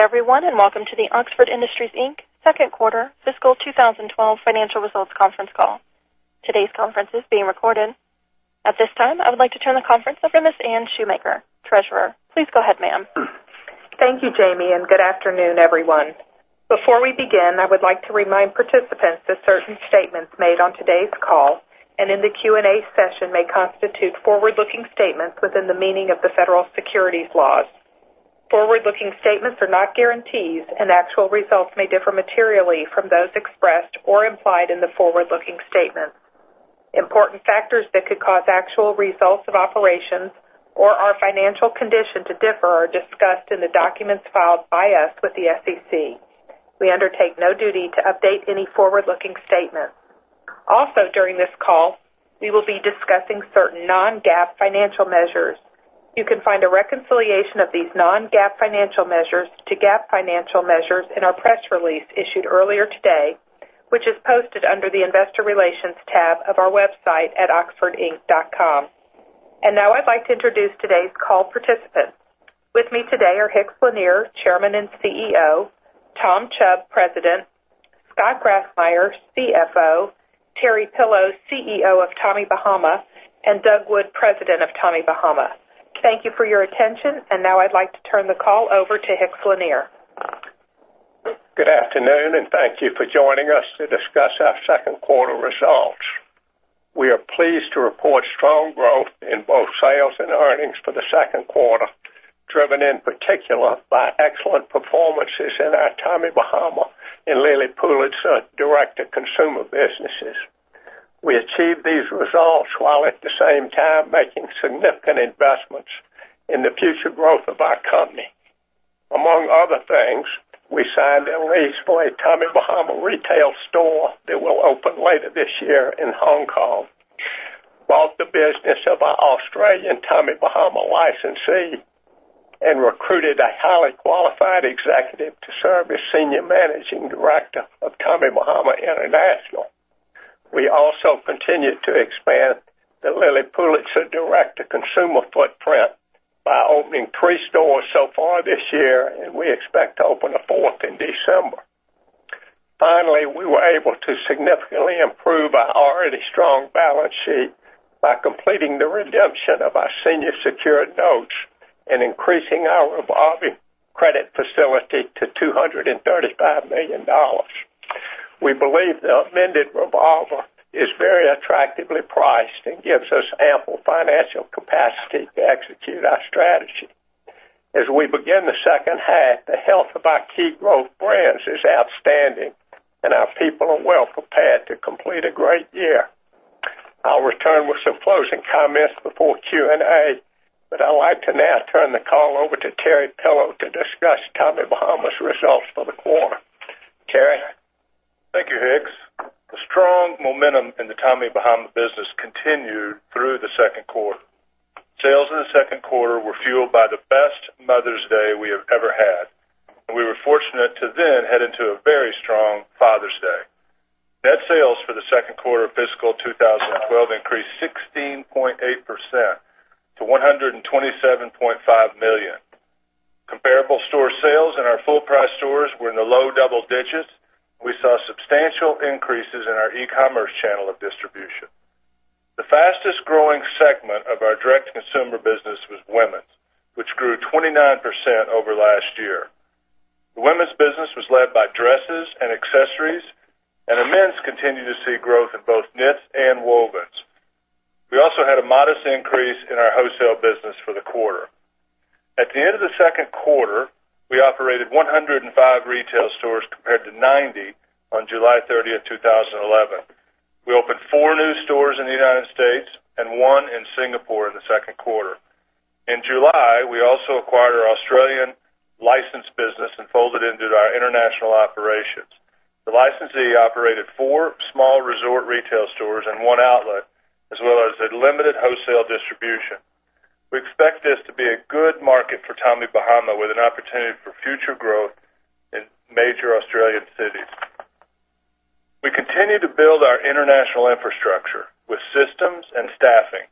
Good day, everyone, and welcome to the Oxford Industries, Inc. second quarter fiscal 2012 financial results conference call. Today's conference is being recorded. At this time, I would like to turn the conference over to Ms. Anne Shoemaker, Treasurer. Please go ahead, ma'am. Thank you, Jamie, and good afternoon, everyone. Before we begin, I would like to remind participants that certain statements made on today's call and in the Q&A session may constitute forward-looking statements within the meaning of the federal securities laws. Forward-looking statements are not guarantees, and actual results may differ materially from those expressed or implied in the forward-looking statements. Important factors that could cause actual results of operations or our financial condition to differ are discussed in the documents filed by us with the SEC. We undertake no duty to update any forward-looking statements. Also, during this call, we will be discussing certain non-GAAP financial measures. You can find a reconciliation of these non-GAAP financial measures to GAAP financial measures in our press release issued earlier today, which is posted under the Investor Relations tab of our website at oxfordinc.com. Now I'd like to introduce today's call participants. With me today are Hicks Lanier, Chairman and CEO; Tom Chubb, President; Scott Grassmyer, CFO; Terry Pillow, CEO of Tommy Bahama; and Doug Wood, President of Tommy Bahama. Thank you for your attention. Now I'd like to turn the call over to Hicks Lanier. Good afternoon, and thank you for joining us to discuss our second quarter results. We are pleased to report strong growth in both sales and earnings for the second quarter, driven in particular by excellent performances in our Tommy Bahama and Lilly Pulitzer direct-to-consumer businesses. We achieved these results while at the same time making significant investments in the future growth of our company. Among other things, we signed a lease for a Tommy Bahama retail store that will open later this year in Hong Kong, bought the business of an Australian Tommy Bahama licensee, and recruited a highly qualified executive to serve as Senior Managing Director of Tommy Bahama International. We also continued to expand the Lilly Pulitzer direct-to-consumer footprint by opening three stores so far this year, and we expect to open a fourth in December. Finally, we were able to significantly improve our already strong balance sheet by completing the redemption of our senior secured notes and increasing our revolving credit facility to $235 million. We believe the amended revolver is very attractively priced and gives us ample financial capacity to execute our strategy. As we begin the second half, the health of our key growth brands is outstanding, and our people are well prepared to complete a great year. I'll return with some closing comments before Q&A, but I'd like to now turn the call over to Terry Pillow to discuss Tommy Bahama's results for the quarter. Terry? Thank you, Hicks. The strong momentum in the Tommy Bahama business continued through the second quarter. Sales in the second quarter were fueled by the best Mother's Day we have ever had, and we were fortunate to then head into a very strong Father's Day. Net sales for the second quarter of fiscal 2012 increased 16.8% to $127.5 million. Comparable store sales in our full-price stores were in the low double digits. We saw substantial increases in our e-commerce channel of distribution. The fastest growing segment of our direct consumer business was women's, which grew 29% over last year. The women's business was led by dresses and accessories, and the men's continued to see growth in both knits and wovens. We also had a modest increase in our wholesale business for the quarter. At the end of the second quarter, we operated 105 retail stores compared to 90 on July 30th, 2011. We opened four new stores in the U.S. and one in Singapore in the second quarter. In July, we also acquired our Australian licensed business and folded it into our international operations. The licensee operated four small resort retail stores and one outlet, as well as a limited wholesale distribution. We expect this to be a good market for Tommy Bahama, with an opportunity for future growth in major Australian cities. We continue to build our international infrastructure with systems and staffing.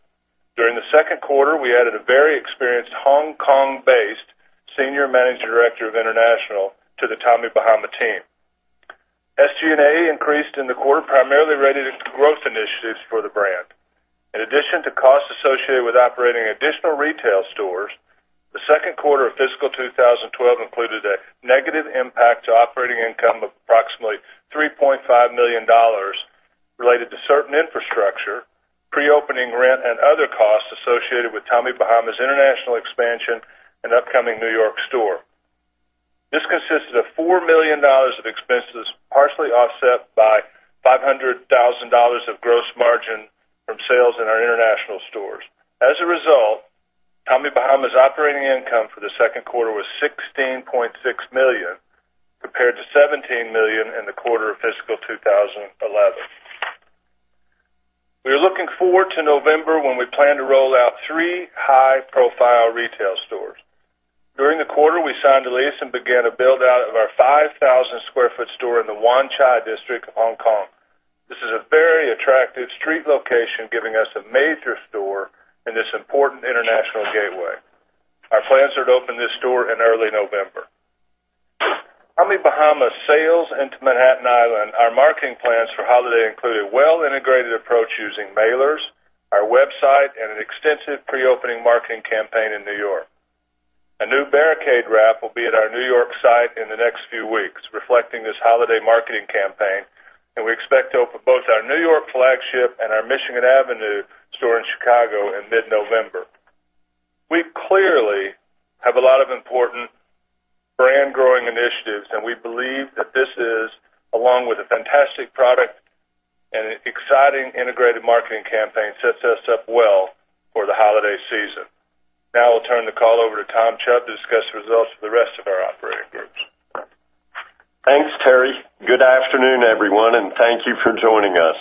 During the second quarter, we added a very experienced Hong Kong-based senior managing director of international to the Tommy Bahama team. SG&A increased in the quarter, primarily related to growth initiatives for the brand. In addition to costs associated with operating additional retail stores, the second quarter of fiscal 2012 included a negative impact to operating income of approximately $3.5 million related to certain infrastructure, pre-opening rent, and other costs associated with Tommy Bahama's international expansion and upcoming N.Y. store. This consisted of $4 million of expenses, partially offset by $500,000 of gross margin from sales in our international stores. As a result, Tommy Bahama's operating income for the second quarter was $16.6 million, compared to $17 million in the quarter of fiscal 2011. We are looking forward to November when we plan to roll out three high-profile retail stores. During the quarter, we signed a lease and began a build-out of our 5,000 sq ft store in the Wan Chai district of Hong Kong giving us a major store in this important international gateway. Our plans are to open this store in early November. Tommy Bahama sails into Manhattan Island. Our marketing plans for holiday include a well-integrated approach using mailers, our website, and an extensive pre-opening marketing campaign in New York. A new barricade wrap will be at our New York site in the next few weeks, reflecting this holiday marketing campaign, and we expect to open both our New York flagship and our Michigan Avenue store in Chicago in mid-November. We clearly have a lot of important brand growing initiatives, and we believe that this is, along with a fantastic product and an exciting integrated marketing campaign, sets us up well for the holiday season. I'll turn the call over to Tom Chubb to discuss the results of the rest of our operating groups. Thanks, Terry. Good afternoon, everyone, and thank you for joining us.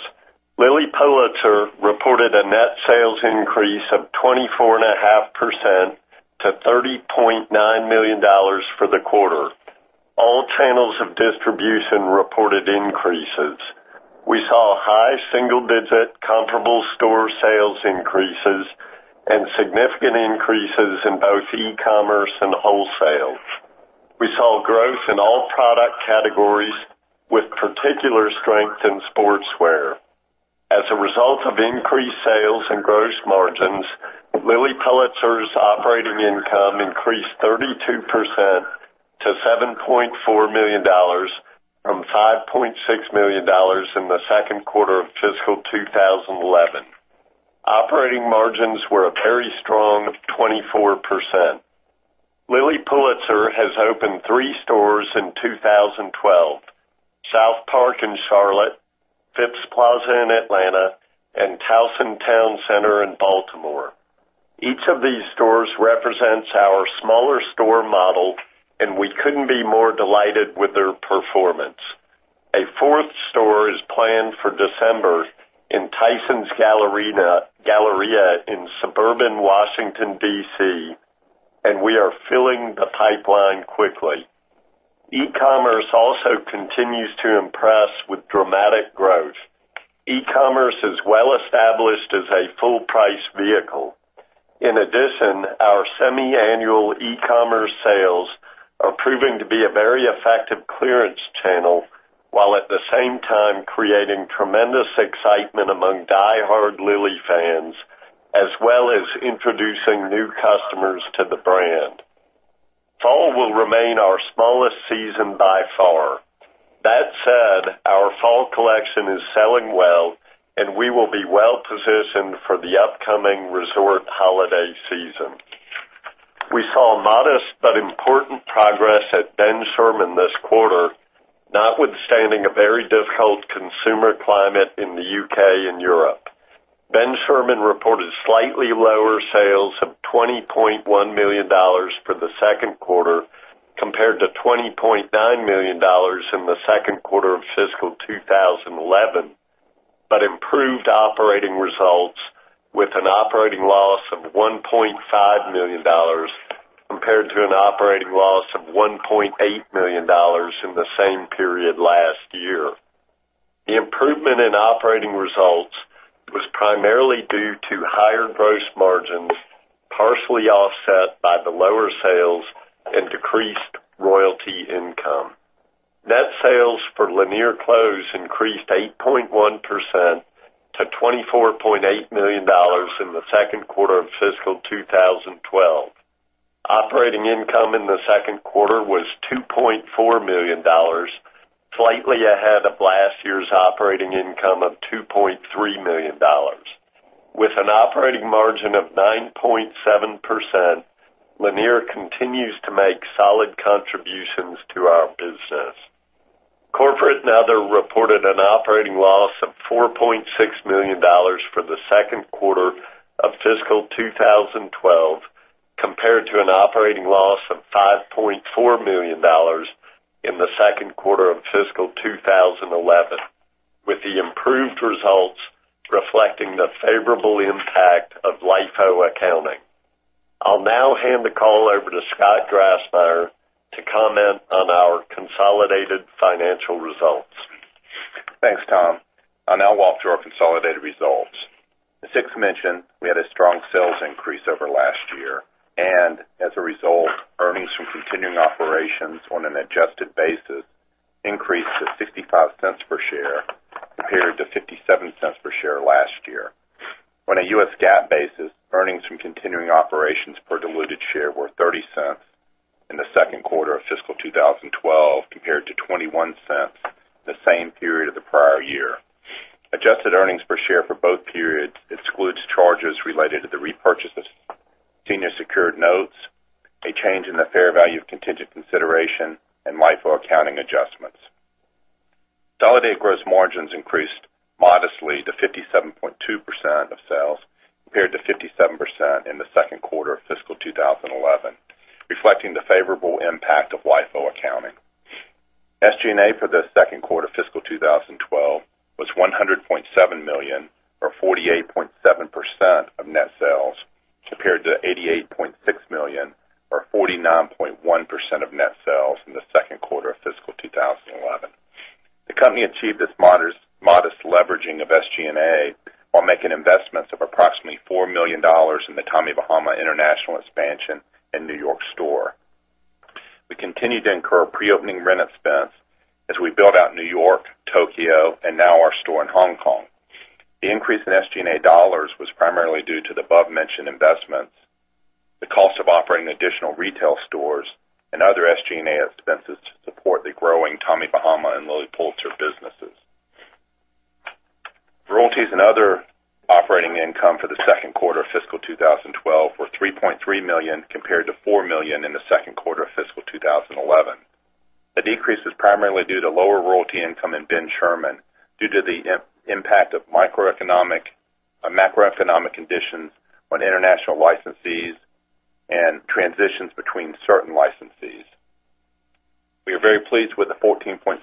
Lilly Pulitzer reported a net sales increase of 24.5% to $30.9 million for the quarter. All channels of distribution reported increases. We saw high single-digit comparable store sales increases and significant increases in both e-commerce and wholesale. We saw growth in all product categories with particular strength in sportswear. As a result of increased sales and gross margins, Lilly Pulitzer's operating income increased 32% to $7.4 million from $5.6 million in the second quarter of fiscal 2011. Operating margins were a very strong 24%. Lilly Pulitzer has opened three stores in 2012, SouthPark in Charlotte, Phipps Plaza in Atlanta, and Towson Town Center in Baltimore. Each of these stores represents our smaller store model, and we couldn't be more delighted with their performance. A fourth store is planned for December in Tysons Galleria in suburban Washington, D.C., and we are filling the pipeline quickly. E-commerce also continues to impress with dramatic growth. E-commerce is well established as a full-price vehicle. In addition, our semiannual e-commerce sales are proving to be a very effective clearance channel, while at the same time creating tremendous excitement among diehard Lilly fans, as well as introducing new customers to the brand. Fall will remain our smallest season by far. That said, our fall collection is selling well, and we will be well-positioned for the upcoming resort holiday season. We saw modest but important progress at Ben Sherman this quarter, notwithstanding a very difficult consumer climate in the U.K. and Europe. Ben Sherman reported slightly lower sales of $20.1 million for the second quarter compared to $20.9 million in the second quarter of fiscal 2011, improved operating results with an operating loss of $1.5 million compared to an operating loss of $1.8 million in the same period last year. The improvement in operating results was primarily due to higher gross margins, partially offset by the lower sales and decreased royalty income. Net sales for Lanier Clothes increased 8.1% to $24.8 million in the second quarter of fiscal 2012. Operating income in the second quarter was $2.4 million, slightly ahead of last year's operating income of $2.3 million. With an operating margin of 9.7%, Lanier continues to make solid contributions to our business. Corporate and Other reported an operating loss of $4.6 million for the second quarter of fiscal 2012 compared to an operating loss of $5.4 million in the second quarter of fiscal 2011, with the improved results reflecting the favorable impact of LIFO accounting. I'll now hand the call over to Scott Grassmyer to comment on our consolidated financial results. Thanks, Tom. I'll now walk through our consolidated results. As Hicks mentioned, we had a strong sales increase over last year and as a result, earnings from continuing operations on an adjusted basis increased to $0.65 per share compared to $0.57 per share last year. On a U.S. GAAP basis, earnings from continuing operations per diluted share were $0.30 in the second quarter of fiscal 2012 compared to $0.21 the same period of the prior year. Adjusted earnings per share for both periods excludes charges related to the repurchases, senior secured notes, a change in the fair value of contingent consideration and LIFO accounting adjustments. Consolidated gross margins increased modestly to 57.2% of sales compared to 57% in the second quarter of fiscal 2011, reflecting the favorable impact of LIFO accounting. SG&A for the second quarter fiscal 2012 was $100.7 million or 48.7% of net sales Compared to $88.6 million or 49.1% of net sales in the second quarter of fiscal 2011. The company achieved this modest leveraging of SG&A while making investments of approximately $4 million in the Tommy Bahama international expansion and New York store. We continued to incur pre-opening rent expense as we build out New York, Tokyo, and now our store in Hong Kong. The increase in SG&A dollars was primarily due to the above-mentioned investments, the cost of operating additional retail stores, and other SG&A expenses to support the growing Tommy Bahama and Lilly Pulitzer businesses. Royalties and other operating income for the second quarter of fiscal 2012 were $3.3 million compared to $4 million in the second quarter of fiscal 2011. The decrease is primarily due to lower royalty income in Ben Sherman due to the impact of macroeconomic conditions on international licensees and transitions between certain licensees. We are very pleased with the 14.7%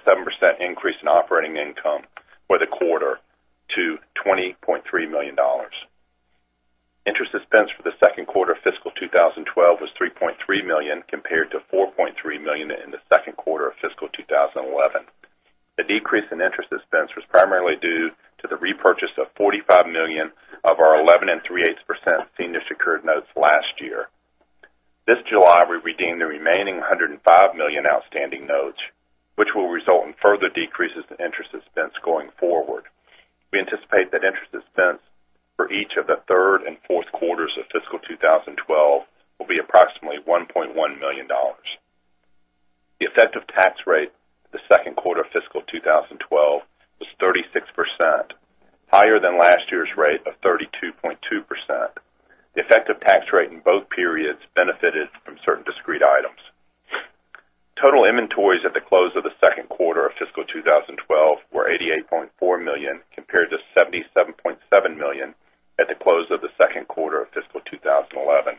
increase in operating income for the quarter to $20.3 million. Interest expense for the second quarter of fiscal 2012 was $3.3 million compared to $4.3 million in the second quarter of fiscal 2011. The decrease in interest expense was primarily due to the repurchase of $45 million of our 11.375% senior secured notes last year. This July, we redeemed the remaining $105 million outstanding notes, which will result in further decreases in interest expense going forward. We anticipate that interest expense for each of the third and fourth quarters of fiscal 2012 will be approximately $1.1 million. The effective tax rate for the second quarter of fiscal 2012 was 36%, higher than last year's rate of 32.2%. The effective tax rate in both periods benefited from certain discrete items. Total inventories at the close of the second quarter of fiscal 2012 were $88.4 million, compared to $77.7 million at the close of the second quarter of fiscal 2011.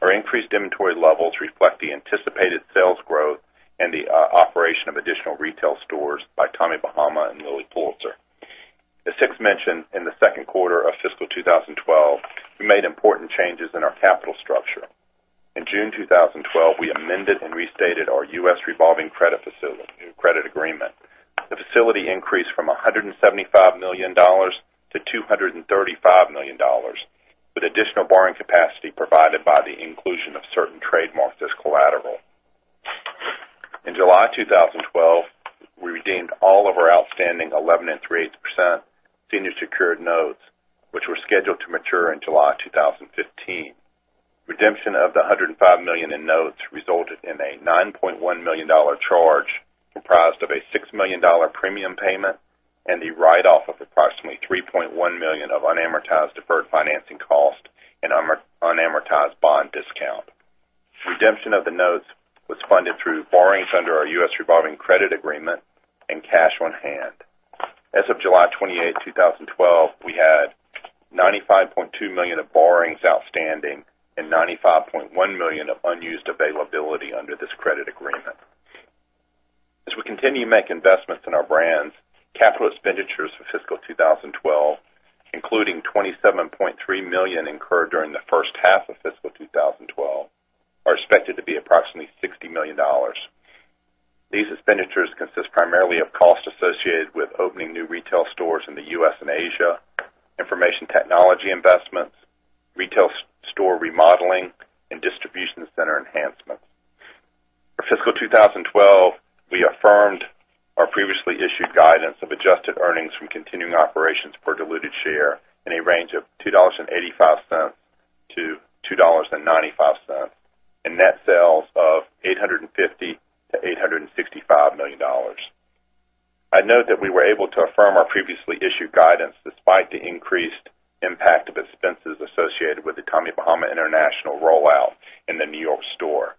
Our increased inventory levels reflect the anticipated sales growth and the operation of additional retail stores by Tommy Bahama and Lilly Pulitzer. As Hicks mentioned, in the second quarter of fiscal 2012, we made important changes in our capital structure. In June 2012, we amended and restated our U.S. revolving credit facility new credit agreement. The facility increased from $175 million to $235 million, with additional borrowing capacity provided by the inclusion of certain trademarks as collateral. In July 2012, we redeemed all of our outstanding 11.375% senior secured notes, which were scheduled to mature in July 2015. Redemption of the $105 million in notes resulted in a $9.1 million charge comprised of a $6 million premium payment and the write-off of approximately $3.1 million of unamortized deferred financing cost and unamortized bond discount. Redemption of the notes was funded through borrowings under our U.S. revolving credit agreement and cash on hand. As of July 28th, 2012, we had $95.2 million of borrowings outstanding and $95.1 million of unused availability under this credit agreement. As we continue to make investments in our brands, capital expenditures for fiscal 2012, including $27.3 million incurred during the first half of fiscal 2012, are expected to be approximately $60 million. These expenditures consist primarily of costs associated with opening new retail stores in the U.S. and Asia, information technology investments, retail store remodeling, and distribution center enhancements. For fiscal 2012, we affirmed our previously issued guidance of adjusted earnings from continuing operations per diluted share in a range of $2.85-$2.95 and net sales of $850 million-$865 million. I'd note that we were able to affirm our previously issued guidance despite the increased impact of expenses associated with the Tommy Bahama international rollout in the New York store.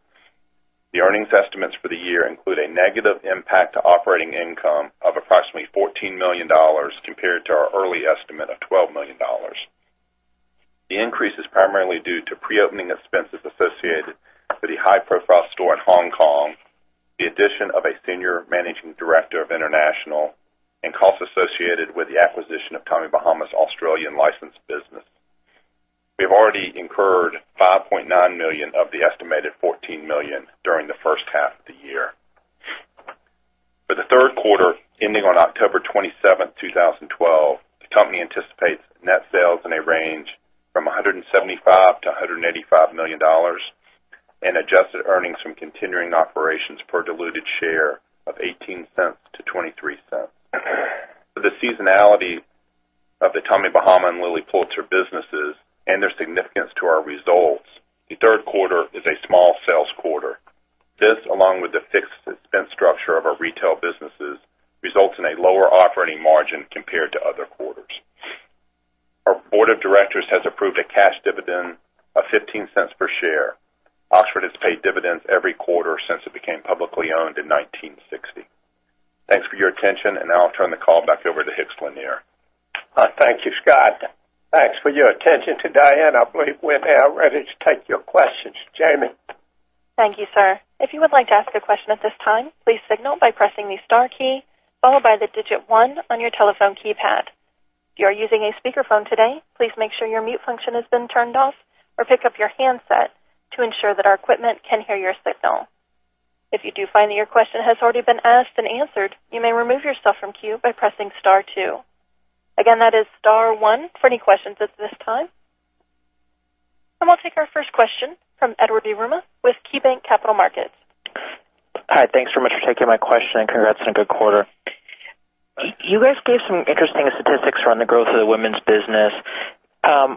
The earnings estimates for the year include a negative impact to operating income of approximately $14 million compared to our early estimate of $12 million. The increase is primarily due to pre-opening expenses associated with the high-profile store in Hong Kong, the addition of a senior managing director of international, and costs associated with the acquisition of Tommy Bahama's Australian licensed business. We've already incurred $5.9 million of the estimated $14 million during the first half of the year. For the third quarter ending on October 27th, 2012, the company anticipates net sales in a range from $175 million to $185 million and adjusted earnings from continuing operations per diluted share of $0.18 to $0.23. For the seasonality of the Tommy Bahama and Lilly Pulitzer businesses and their significance to our results, the third quarter is a small sales quarter. This, along with the fixed expense structure of our retail businesses, results in a lower operating margin compared to other quarters. Our board of directors has approved a cash dividend of $0.15 per share. Oxford has paid dividends every quarter since it became publicly owned in 1960. Thanks for your attention. Now I'll turn the call back over to Hicks Lanier. Thank you, Scott. Thanks for your attention to Diane. I believe we're now ready to take your questions. Jamie? Thank you, sir. If you would like to ask a question at this time, please signal by pressing the star key followed by the digit 1 on your telephone keypad. If you are using a speakerphone today, please make sure your mute function has been turned off or pick up your handset to ensure that our equipment can hear your signal. If you do find that your question has already been asked and answered, you may remove yourself from queue by pressing star 2. Again, that is star 1 for any questions at this time. We'll take our first question from Edward Yruma with KeyBanc Capital Markets. Hi. Thanks very much for taking my question. Congrats on a good quarter. You guys gave some interesting statistics around the growth of the women's business.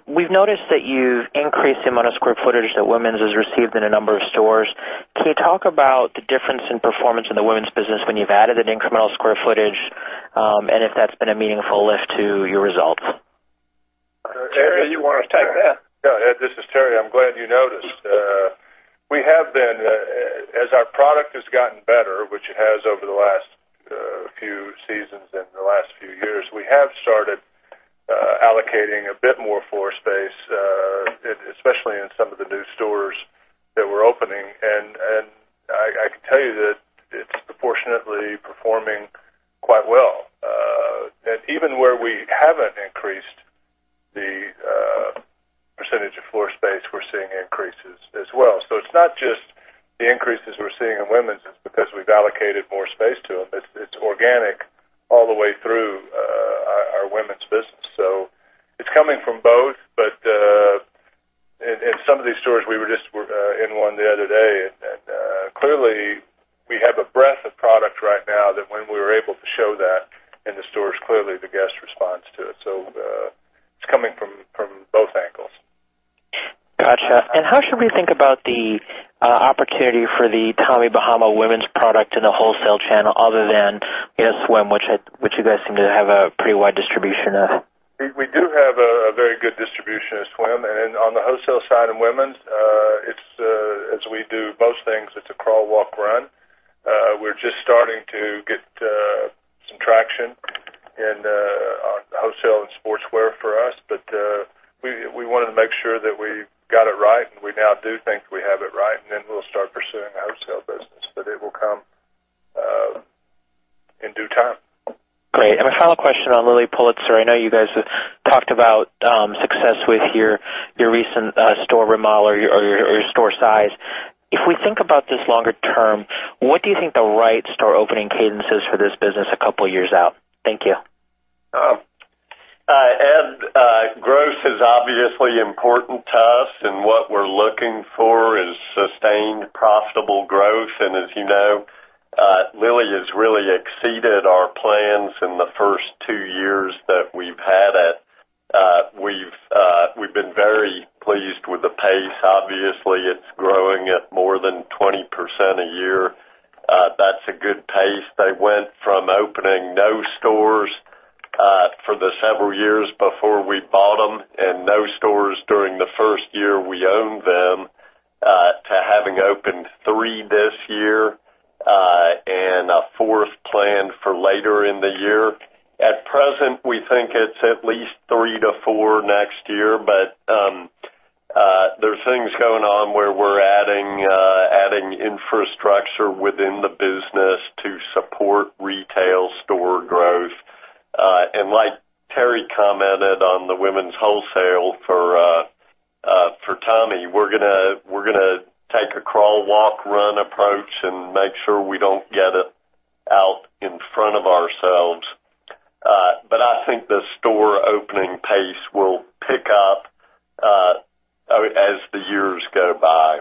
We've noticed that you've increased the amount of square footage that women's has received in a number of stores. Can you talk about the difference in performance in the women's business when you've added an incremental square footage, and if that's been a meaningful lift to your results? Terry, you want to take that? Yeah, Ed, this is Terry. I'm glad you noticed. We have been, as our product has gotten better, which it has over the last few seasons and the last few years, we have started allocating a bit more floor space, especially in some of the new stores that we're opening. I can tell you that it's proportionately performing quite well. Even where we haven't increased the percentage of floor space, we're seeing increases as well. It's not just the increases we're seeing in women's is because we've allocated more space to them. It's organic all the way through our women's business. It's coming from both. In some of these stores, we were just in one the other day, and clearly, we have a breadth of product right now that when we were able to show that in the stores, clearly the guest responds to it. It's coming from both angles. Got you. How should we think about the opportunity for the Tommy Bahama women's product in the wholesale channel other than in swim, which you guys seem to have a pretty wide distribution of? We do have a very good distribution of swim. On the wholesale side in women's, as we do most things, it's a crawl, walk, run. We're just starting to get some traction in wholesale and sportswear for us. We wanted to make sure that we got it right, and we now do think we have it right, we'll start pursuing the wholesale business. It will come in due time. Great. My final question on Lilly Pulitzer. I know you guys have talked about success with your recent store remodel or your store size. If we think about this longer term, what do you think the right store opening cadence is for this business a couple of years out? Thank you. Ed, growth is obviously important to us, and what we're looking for is sustained profitable growth. As you know, Lilly has really exceeded our plans in the first two years that we've had it. We've been very pleased with the pace. Obviously, it's growing at more than 20% a year. That's a good pace. They went from opening no stores for the several years before we bought them and no stores during the first year we owned them, to having opened 3 this year and a fourth planned for later in the year. At present, we think it's at least 3 to 4 next year, but there's things going on where we're adding infrastructure within the business to support retail store growth. Like Terry commented on the women's wholesale for Tommy, we're going to take a crawl, walk, run approach and make sure we don't get out in front of ourselves. I think the store opening pace will pick up as the years go by.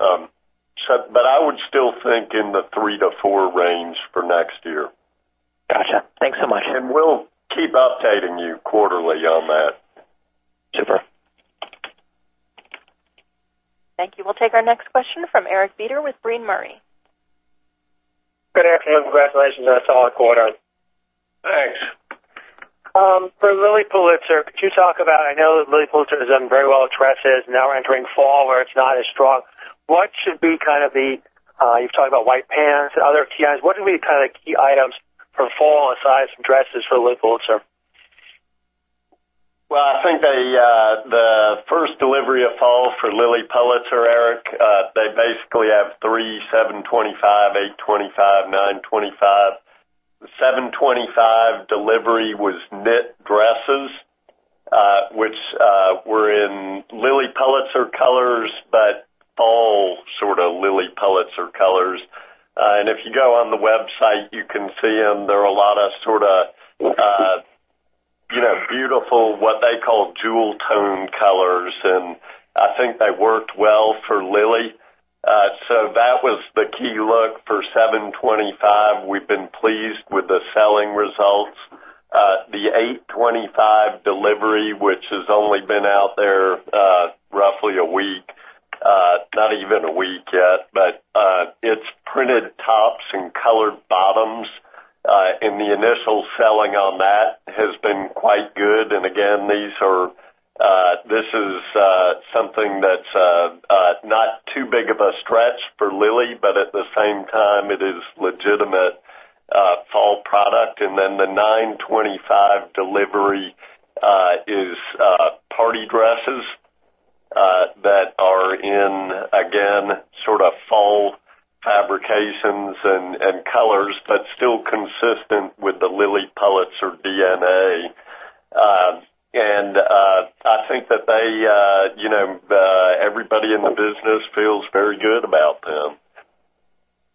I would still think in the 3 to 4 range for next year. Got you. Thanks so much. We'll keep updating you quarterly on that. Super. Thank you. We'll take our next question from Eric Beder with Brean Murray. Good afternoon. Congratulations on a solid quarter. Thanks. For Lilly Pulitzer, could you talk about, I know that Lilly Pulitzer has done very well at dresses, now we're entering fall where it's not as strong. You've talked about white pants and other key items. What are the key items for fall aside from dresses for Lilly Pulitzer? Well, I think the first delivery of fall for Lilly Pulitzer, Eric, they basically have three, 7/25, 8/25, 9/25. The 7/25 delivery was knit dresses, which were in Lilly Pulitzer colors, but fall sort of Lilly Pulitzer colors. If you go on the website, you can see them. There are a lot of sort of beautiful, what they call jewel tone colors, and I think they worked well for Lilly. That was the key look for 7/25. We've been pleased with the selling results. The 8/25 delivery, which has only been out there roughly a week, not even a week yet, but it's printed tops and colored bottoms. The initial selling on that has been quite good. Again, this is something that's not too big of a stretch for Lilly, but at the same time, it is legitimate product, and then the 925 delivery is party dresses that are in, again, sort of fall fabrications and colors, but still consistent with the Lilly Pulitzer DNA. I think that everybody in the business feels very good about them.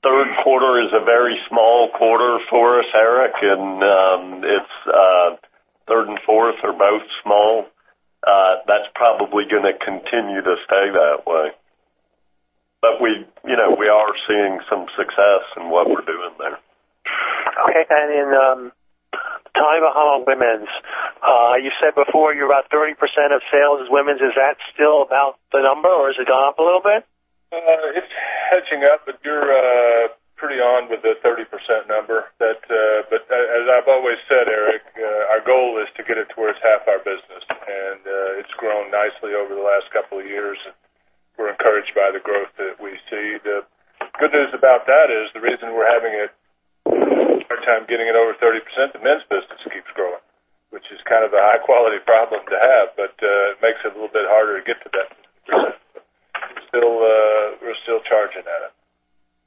Third quarter is a very small quarter for us, Eric, and third and fourth are both small. That's probably going to continue to stay that way. We are seeing some success in what we're doing there. Okay, in Tommy Bahama women's, you said before you're about 30% of sales is women's. Is that still about the number, or has it gone up a little bit? hedging up, but you're pretty on with the 30% number. As I've always said, Eric, our goal is to get it towards half our business, and it's grown nicely over the last couple of years, and we're encouraged by the growth that we see. The good news about that is the reason we're having a hard time getting it over 30%, the men's business keeps growing, which is kind of a high-quality problem to have, but it makes it a little bit harder to get to that. We're still charging at it.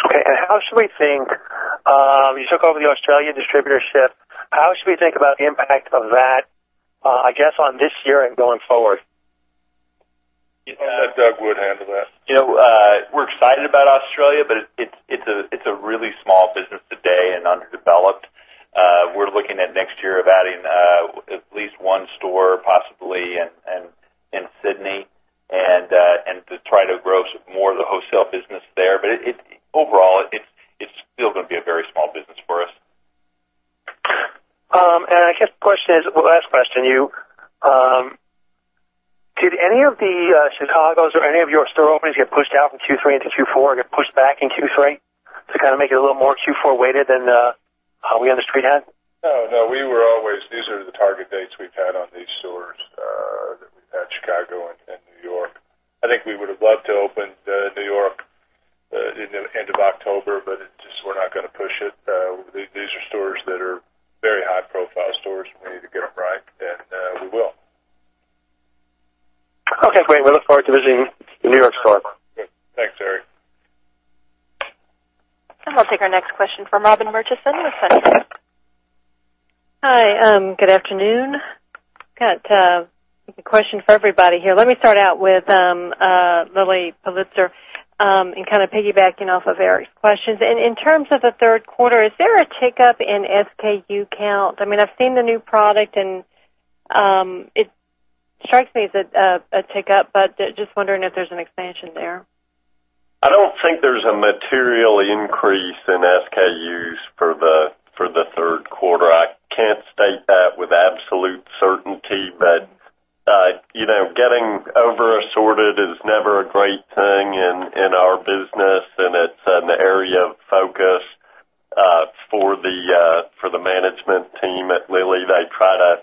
Okay. How should we think You took over the Australian distributorship. How should we think about the impact of that, I guess, on this year and going forward? I'll let Douglas Wood handle that. We're excited about Australia, but it's a really small business today and underdeveloped. We're looking at next year of adding at least one store, possibly in Sydney, and to try to grow more of the wholesale business there. Overall, it's still going to be a very small business for us. I guess the question is, last question to you, did any of the Chicagos or any of your store openings get pushed out from Q3 into Q4 or get pushed back in Q3 to kind of make it a little more Q4 weighted than we on the street had? No, these are the target dates we've had on these stores that we've had Chicago and New York. I think we would've loved to open New York end of October, just we're not going to push it. These are stores that are very high profile stores. We need to get them right, and we will. Okay, great. We look forward to visiting the New York store. Thanks, Eric. We'll take our next question from Robin Murchison with SunTrust. Hi, good afternoon. Got a question for everybody here. Let me start out with Lilly Pulitzer, kind of piggybacking off of Eric's questions. In terms of the third quarter, is there a tick up in SKU count? I've seen the new product, and it strikes me as a tick up, but just wondering if there's an expansion there. I don't think there's a material increase in SKUs for the third quarter. I can't state that with absolute certainty, but getting over assorted is never a great thing in our business, and it's an area of focus for the management team at Lilly. They try to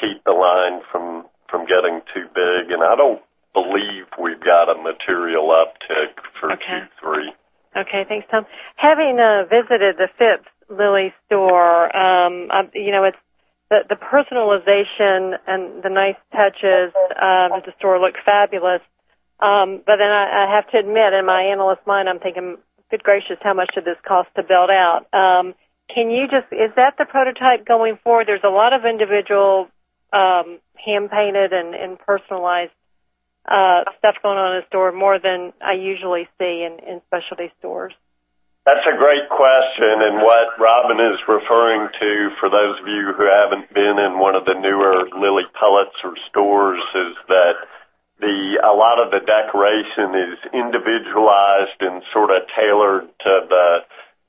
keep the line from getting too big, and I don't believe we've got a material uptick for Q3. Okay. Thanks, Tom. Having visited the fifth Lilly store, the personalization and the nice touches of the store looked fabulous. I have to admit, in my analyst mind, I'm thinking, "Good gracious, how much did this cost to build out?" Is that the prototype going forward? There's a lot of individual hand-painted and personalized stuff going on in the store, more than I usually see in specialty stores. That's a great question, what Robin is referring to, for those of you who haven't been in one of the newer Lilly Pulitzer stores, is that a lot of the decoration is individualized and sort of tailored to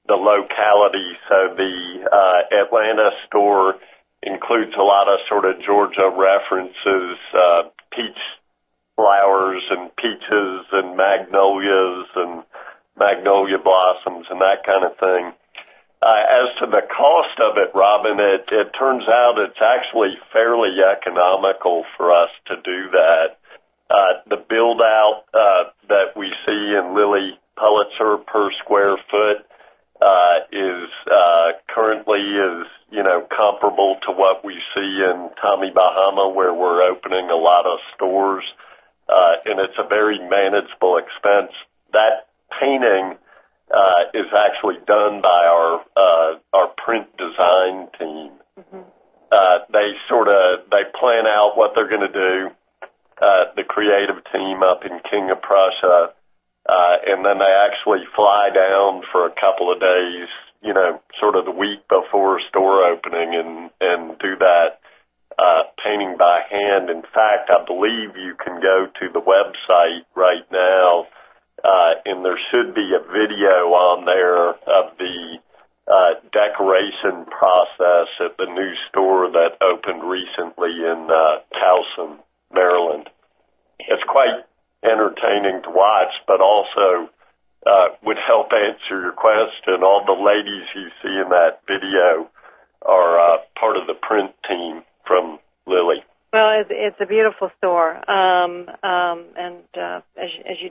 the locality. The Atlanta store includes a lot of sort of Georgia references, peach flowers and peaches, and magnolias, and magnolia blossoms, and that kind of thing. As to the cost of it, Robin, it turns out it's actually fairly economical for us to do that. The build-out that we see in Lilly Pulitzer per square foot currently is comparable to what we see in Tommy Bahama, where we're opening a lot of stores, and it's a very manageable expense. That painting is actually done by our print design team. They plan out what they're going to do, the creative team up in King of Prussia, and then they actually fly down for a couple of days, sort of the week before store opening, and do that painting by hand. In fact, I believe you can go to the website right now, and there should be a video on there of the decoration process at the new store that opened recently in Towson, Maryland. It's quite entertaining to watch, but also would help answer your question. All the ladies you see in that video are Well, it's a beautiful store, as you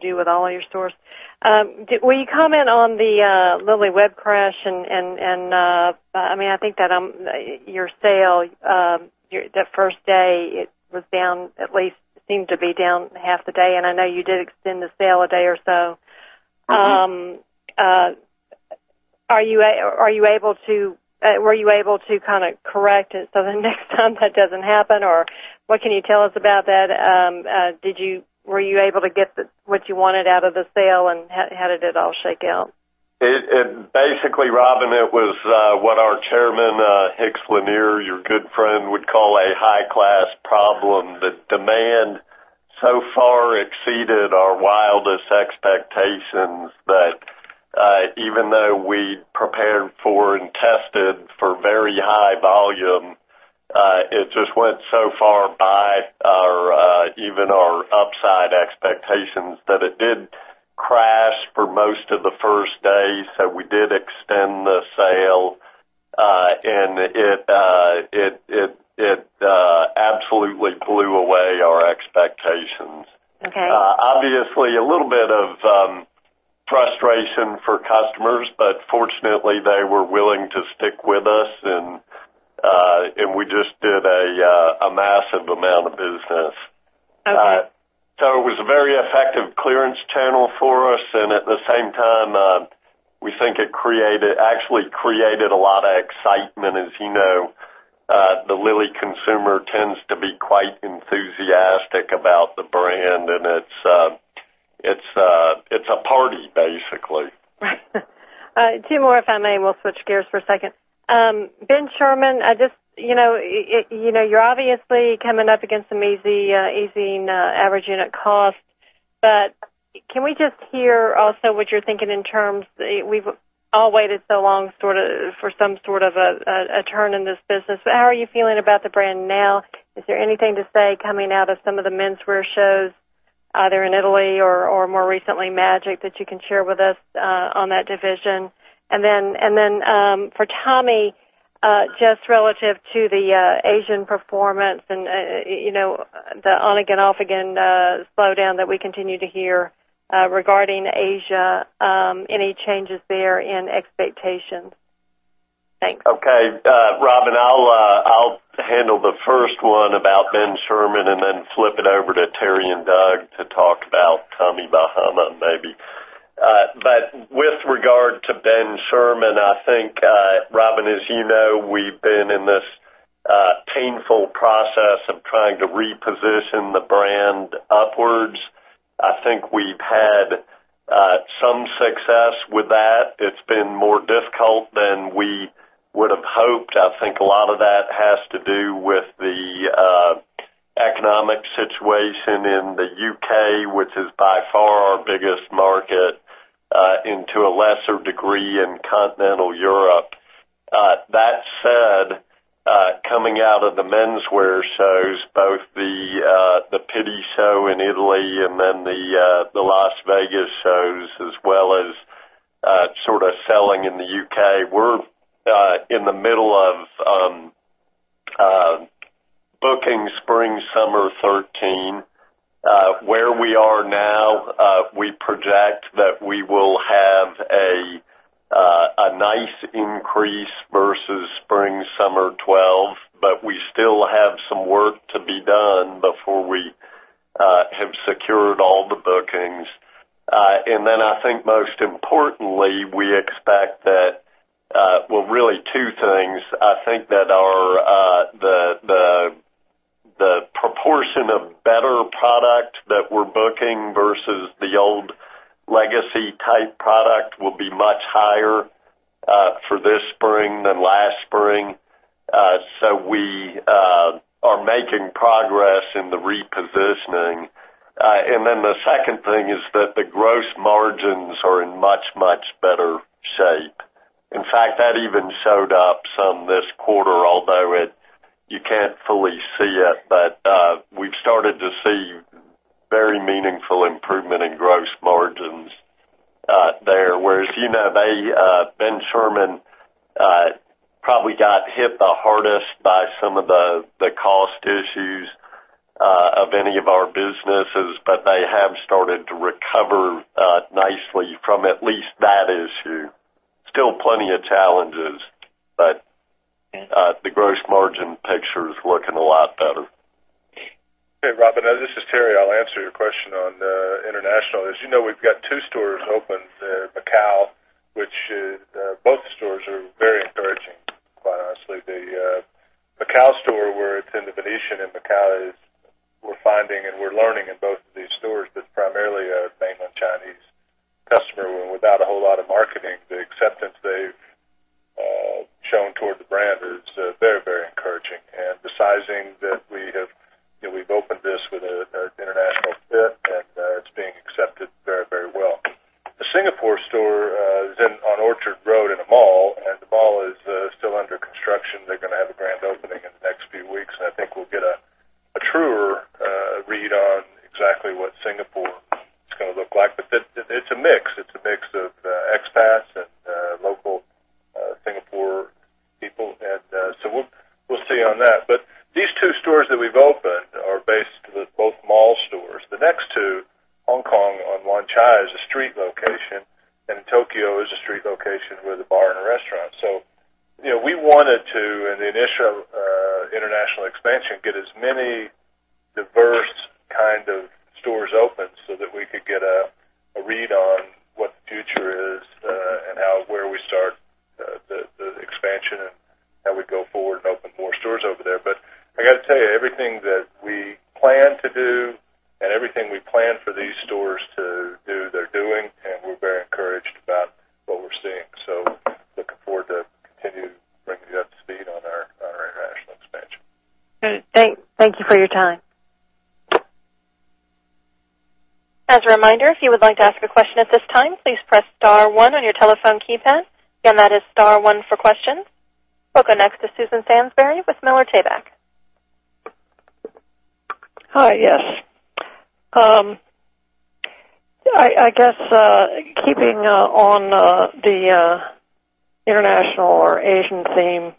do with all your stores. Will you comment on the Lilly web crash? I think that your sale, that first day it was down, at least seemed to be down half the day, and I know you did extend the sale a day or so. Were you able to correct it so the next time that doesn't happen? What can you tell us about that? Were you able to get what you wanted out of the sale and how did it all shake out? Basically, Robin, it was what our Chairman, Hicks Lanier, your good friend, would call a high-class problem. The demand so far exceeded our wildest expectations that even though we prepared for and tested for very high volume, it just went so far by even our upside expectations that it did crash for most of the first day. We did extend the sale. It absolutely blew away our expectations. Okay. A little bit of frustration for customers, fortunately they were willing to stick with us, we just did a massive amount of business. Okay. It was a very effective clearance channel for us, at the same time, we think it actually created a lot of excitement. As you know, the Lilly consumer tends to be quite enthusiastic about the brand, it's a party, basically. Two more, if I may, we'll switch gears for a second. Ben Sherman, you're obviously coming up against some easing average unit costs, can we just hear also what you're thinking in terms. We've all waited so long for some sort of a turn in this business. How are you feeling about the brand now? Is there anything to say coming out of some of the menswear shows, either in Italy or more recently, MAGIC, that you can share with us on that division? Then for Tommy, just relative to the Asian performance and the on-again, off-again slowdown that we continue to hear regarding Asia, any changes there in expectations? Thanks. Okay. Robin, I'll handle the first one about Ben Sherman then flip it over to Terry and Doug to talk about Tommy Bahama, maybe. With regard to Ben Sherman, I think, Robin, as you know, we've been in this painful process of trying to reposition the brand upwards. I think we've had some success with that. It's been more difficult than we would've hoped. I think a lot of that has to do with the economic situation in the U.K., which is by far our biggest market, to a lesser degree, in continental Europe. That said, coming out of the menswear shows, both the Pitti show in Italy then the Las Vegas shows, as well as sort of selling in the U.K., we're in the middle of booking spring/summer 2013. Where we are now, we project that we will have a nice increase versus spring/summer 2012, we still have some work to be done before we have secured all the bookings. I think most importantly, we expect that Well, really two things. I think that the proportion of better product that we're booking versus the old legacy type product will be much higher for this spring than last spring. We are making progress in the repositioning. The second thing is that the gross margins are in much, much better shape. In fact, that even showed up some this quarter, although you can't fully see it, we've started to see very meaningful improvement in gross margins there. Whereas, you know, Ben Sherman probably got hit the hardest by some of the cost issues of any of our businesses, they have started to recover nicely from at least that issue. Still plenty of challenges, the gross margin picture is looking a lot better. Okay, Robin, this is Terry. I'll answer your question on international. As you know, we've got two stores open in Macau. Both stores are very encouraging, quite honestly. The Macau store, where it's in The Venetian in Macau is we're finding and we're learning in both of these stores that primarily a mainland Chinese customer, without a whole lot of marketing, the acceptance they've shown toward the brand is very encouraging. The sizing that we've opened this with an international fit, it's being accepted very well. The Singapore store is on Orchard Road in a mall, the mall is still under construction. They're going to have a grand opening in the next few weeks, I think we'll get a truer read on exactly what Singapore is going to look like. It's a mix. It's a mix of expats and People. We'll see on that. These two stores that we've opened are based with both mall stores. The next two, Hong Kong on Wan Chai, is a street location, Tokyo is a street location with a bar and a restaurant. We wanted to, in the initial international expansion, get as many diverse kind of stores open so that we could get a read on what the future is where we start the expansion and how we go forward and open more stores over there. I got to tell you, everything that we plan to do and everything we plan for these stores to do, they're doing, we're very encouraged about what we're seeing. Looking forward to continue bringing you up to speed on our international expansion. Good. Thank you for your time. As a reminder, if you would like to ask a question at this time, please press star one on your telephone keypad. Again, that is star one for questions. We'll go next to Susan Sansbury with Miller Tabak. Hi. Yes. I guess keeping on the international or Asian theme.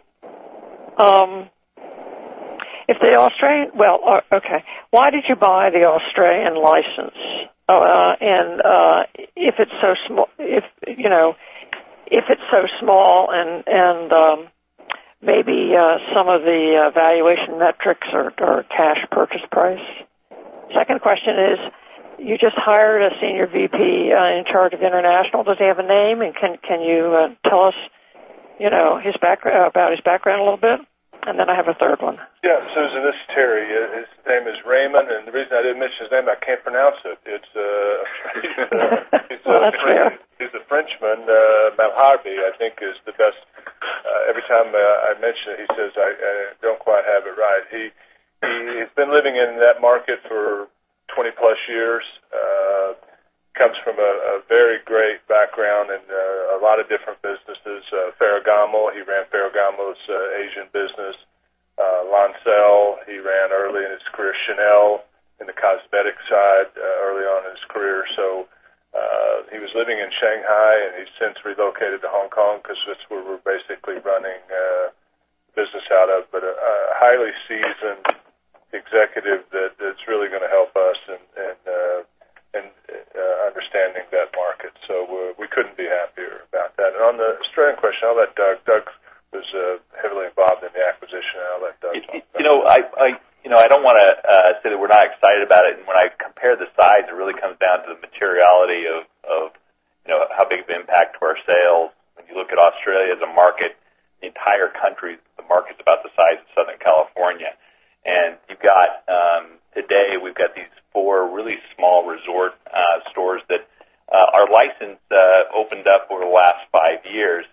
Why did you buy the Australian license if it's so small and maybe some of the valuation metrics or cash purchase price? Second question is, you just hired a senior VP in charge of international. Does he have a name? Can you tell us about his background a little bit? I have a third one. Yeah. Susan, this is Terry. His name is Raymond, and the reason I didn't mention his name, I can't pronounce it. Oh, that's fair. He's a Frenchman. [Malharbi], I think is the best. Every time I mention it, he says I don't quite have it right. He's been living in that market for 20-plus years. Comes from a very great background in a lot of different businesses. Ferragamo, he ran Ferragamo's Asian business. Lancel, he ran early in his career. Chanel in the cosmetic side early on in his career. He was living in Shanghai, and he's since relocated to Hong Kong because that's where we're basically running a business out of. A highly seasoned executive that's really going to help us in understanding that market. We couldn't be happier about that. On the Australian question, I'll let Doug. Doug was heavily involved in the acquisition, and I'll let Doug talk about that. I don't want to say that we're not excited about it. When I compare the size, it really comes down to the materiality of how big of an impact to our sales. When you look at Australia as a market, the entire country, the market's about the size of Southern California. Today, we've got these four really small resort stores that are licensed, opened up over the last five years.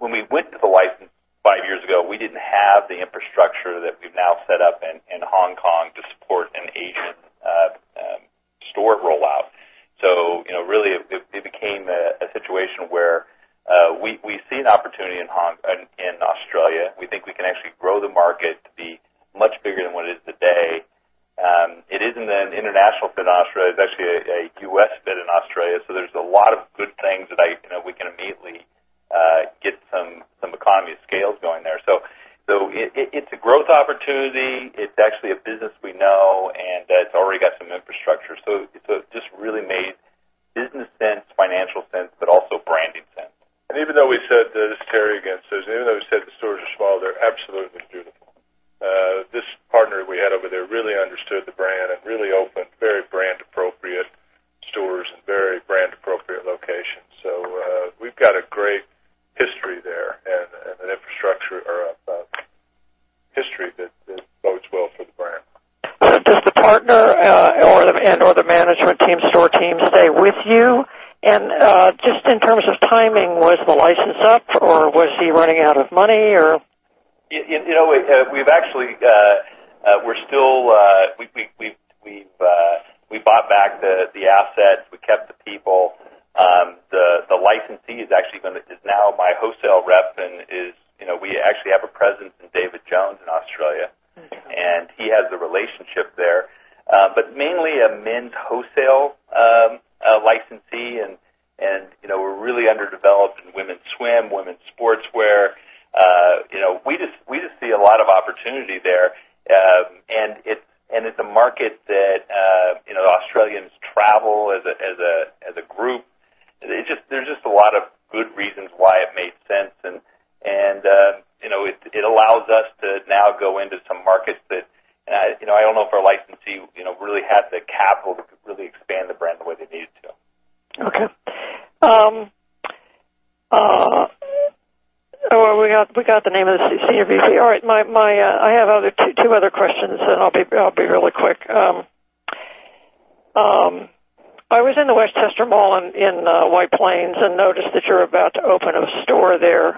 When we went to the license five years ago, we didn't have the infrastructure that we've now set up in Hong Kong to support an Asian store rollout. Really, it became a situation where we see an opportunity in Australia. We think we can actually grow the market to be much bigger than what it is today. It isn't an international fit in Australia. It's actually a U.S. fit in Australia. There's a lot of good things that we can immediately get some economy of scales going there. It's a growth opportunity. It's actually a business we know, and that's already got some infrastructure. It just really made business sense, financial sense, but also branding sense. Even though we said, this is Terry again, Susan, even though we said the stores are small, they're absolutely beautiful. This partner we had over there really understood the brand and really opened very brand-appropriate stores and very brand-appropriate locations. We've got a great history there and an infrastructure or a history that bodes well for the brand. Does the partner and/or the management team, store team, stay with you? Just in terms of timing, was the license up or was he running out of money or? We bought back the assets. We kept the people. The licensee is now my wholesale rep and we actually have a presence in David Jones in Australia, and he has a relationship there. Mainly a men's wholesale licensee, and we're really underdeveloped in women's swim, women's sportswear. We just see a lot of opportunity there. It's a market that Australians travel as a group. There's just a lot of good reasons why it made sense, and it allows us to now go into some markets that I don't know if our licensee really had the capital to really expand the brand the way they needed to. Okay. We got the name of the senior VP. All right. I have two other questions, and I'll be really quick. I was in the Westchester Mall in White Plains and noticed that you're about to open a store there,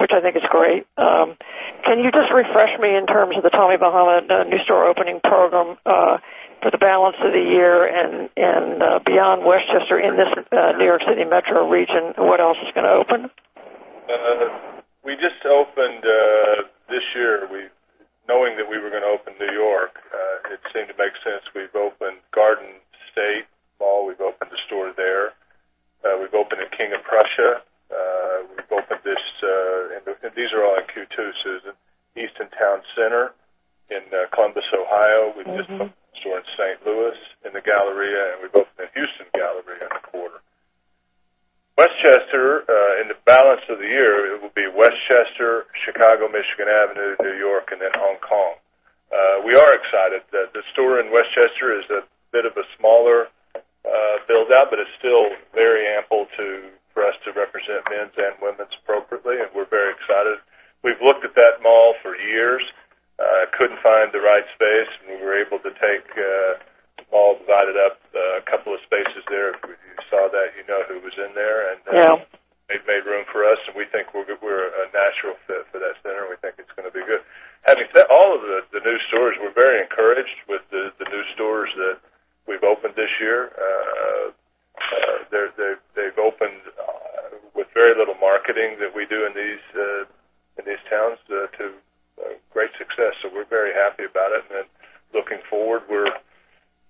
which I think is great. Can you just refresh me in terms of the Tommy Bahama new store opening program for the balance of the year and beyond Westchester in this New York City metro region? What else is going to open? We just opened in New York. It seemed to make sense. We've opened Garden State Mall. We've opened a store there. We've opened in King of Prussia. We've opened this, and these are all in Q2, Susan, Easton Town Center in Columbus, Ohio. We've just opened a store in St. Louis, in the Galleria. We've opened in Houston Galleria in the quarter. Westchester, in the balance of the year, it will be Westchester, Chicago, Michigan Avenue, New York, Hong Kong. We are excited. The store in Westchester is a bit of a smaller build-out, it's still very ample for us to represent men's and women's appropriately. We're very excited. We've looked at that mall for years, couldn't find the right space. We were able to take a mall, divided up a couple of spaces there. If you saw that, you know who was in there. Yeah. They've made room for us. We think we're a natural fit for that center. We think it's going to be good. Having said all of the new stores, we're very encouraged with the new stores that we've opened this year. They've opened with very little marketing that we do in these towns to great success. We're very happy about it and looking forward. We're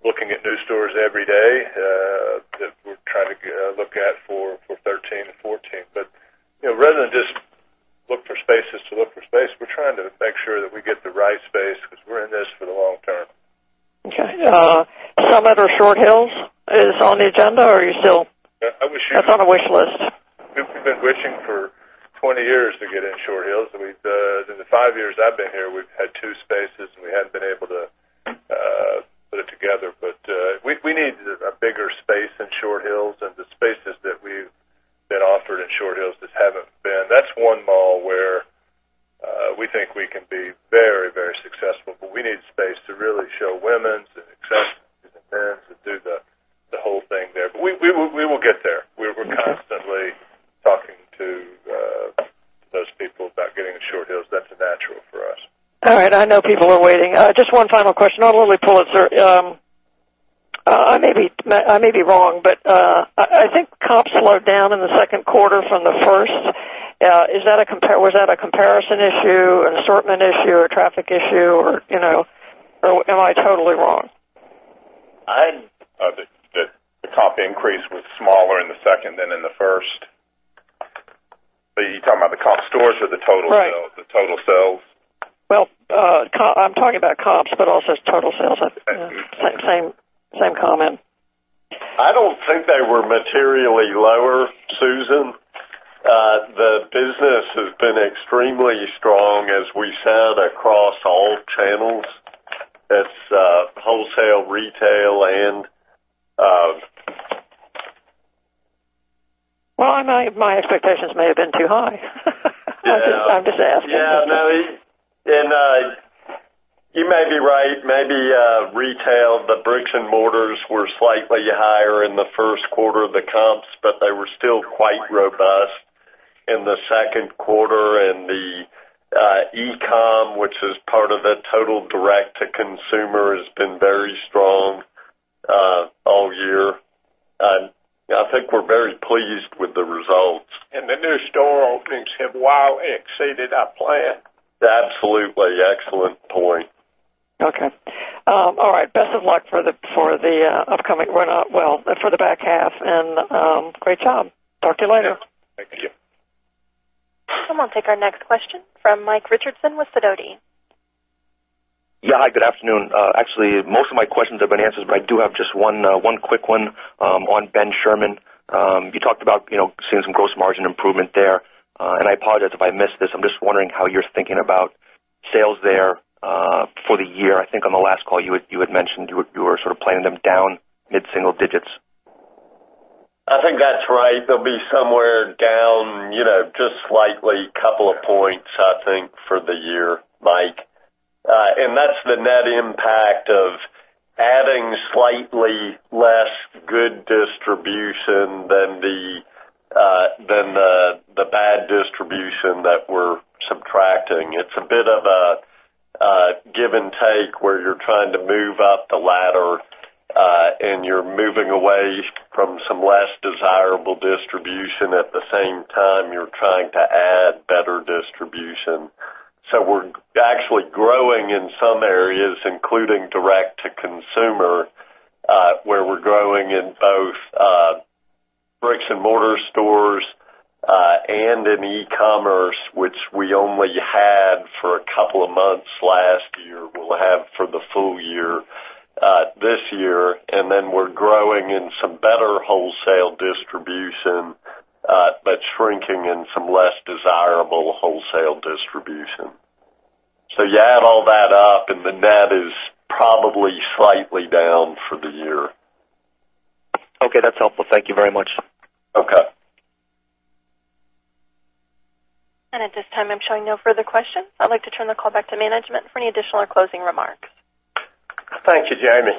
looking at new stores every day that we're trying to look at for 2013 and 2014. Rather than just look for spaces to look for space, we're trying to make sure that we get the right space because we're in this for the long term. Okay. Some other Short Hills is on the agenda, or are you still? I wish you. That's on the wish list. We've been wishing for 20 years to get in Short Hills, and in the five years I've been here, we've had two spaces, and we haven't been able to put it together. We need a bigger space in Short Hills, and the spaces that we've been offered in Short Hills just haven't been. That's one mall where we think we can be very successful. We need space to really show women's and accessories and men's and do the whole thing there. We will get there. We're constantly talking to those people about getting in Short Hills. That's a natural for us. All right. I know people are waiting. Just one final question. I'll really pull it, sir. I may be wrong. I think comps slowed down in the second quarter from the first. Was that a comparison issue, an assortment issue, or a traffic issue, or am I totally wrong? The comp increase was smaller in the second than in the first. Are you talking about the comp stores or the total sales? Right. Well, I'm talking about comps, but also total sales. Same comment. I don't think they were materially lower, Susan. The business has been extremely strong, as we said, across all channels. That's wholesale, retail, and. Well, my expectations may have been too high. Yeah. I'm just asking. No, you may be right. Maybe retail, the bricks and mortars were slightly higher in the first quarter of the comps, but they were still quite robust in the second quarter. The e-com, which is part of the total direct-to-consumer, has been very strong all year. I think we're very pleased with the results. The new store openings have well exceeded our plan. Absolutely. Excellent point. Okay. All right. Best of luck for the upcoming run up. Well, for the back half, and great job. Talk to you later. Thank you. Thank you. We'll take our next question from Mike Richardson with Sidoti. Yeah. Hi, good afternoon. Actually, most of my questions have been answered. I do have just one quick one on Ben Sherman. You talked about seeing some gross margin improvement there. I apologize if I missed this. I'm just wondering how you're thinking about sales there for the year. I think on the last call, you had mentioned you were sort of planning them down mid-single digits. I think that's right. They'll be somewhere down just slightly, couple of points, I think, for the year, Mike. That's the net impact of adding slightly less good distribution than the bad distribution that we're subtracting. It's a bit of a give and take where you're trying to move up the ladder, and you're moving away from some less desirable distribution. At the same time, you're trying to add better distribution. We're actually growing in some areas, including direct-to-consumer, where we're growing in both bricks and mortar stores and in e-commerce, which we only had for a couple of months last year. We'll have for the full year this year. We're growing in some better wholesale distribution, but shrinking in some less desirable wholesale distribution. You add all that up, and the net is probably slightly down for the year. Okay, that's helpful. Thank you very much. Okay. At this time, I'm showing no further questions. I'd like to turn the call back to management for any additional or closing remarks. Thank you, Jamie.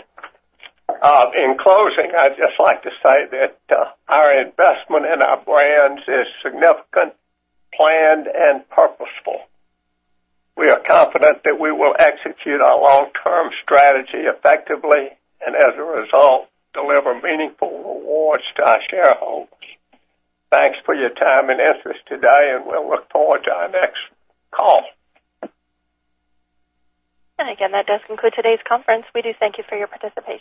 In closing, I'd just like to say that our investment in our brands is significant, planned, and purposeful. We are confident that we will execute our long-term strategy effectively, and as a result, deliver meaningful rewards to our shareholders. Thanks for your time and interest today, and we'll look forward to our next call. Again, that does conclude today's conference. We do thank you for your participation.